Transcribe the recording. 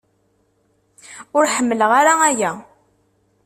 Ur ḥemmleɣ ara aya.